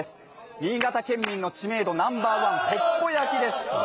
新潟県民の知名度ナンバーワンぽっぽ焼きです。